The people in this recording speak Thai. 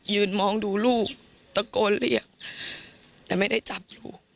มองดูลูกตะโกนเรียกแต่ไม่ได้จับอยู่